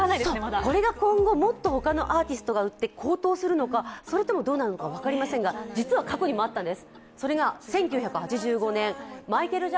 これが今後、もっと他のアーティストが売って高騰するのか、それともどうなるのか分かりませんが、実は過去にもあったんです。